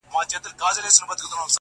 پرېږده دا کیسه اوس د اورنګ خبري نه کوو-